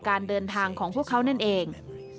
การเดินทางของพวกเขานั่นเอง